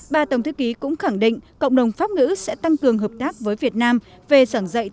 bà tổng thư ký cũng khẳng định cộng đồng pháp ngữ sẽ tăng cường hợp tác với việt nam về giảng dạy